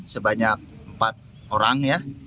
sebanyak empat orang ya